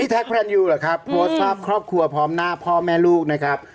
แท็กพระรันยูเหรอครับโพสต์ภาพครอบครัวพร้อมหน้าพ่อแม่ลูกนะครับ